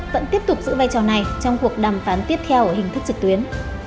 vẫn tiếp tục giữ vai trò này trong cuộc đàm phán tiếp theo ở hình thức trực tuyến